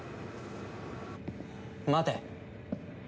待て。